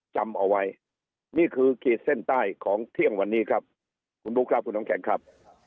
จำเอาไว้นี่คือกีดเส้นใต้ของเที่ยงวันนี้ครับ